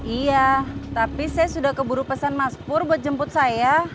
iya tapi saya sudah keburu pesan maspur buat jemput saya